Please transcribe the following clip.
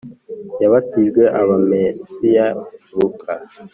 yabatijwe aba Mesiya Luka